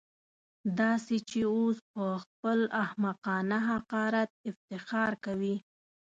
داسې چې اوس پهخپل احمقانه حقارت افتخار کوي.